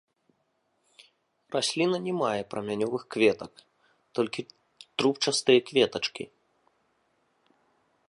Расліна не мае прамянёвых кветак, толькі трубчастыя кветачкі.